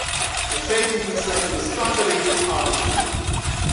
In feite hoeft men slechts de bestaande regels aan te vullen.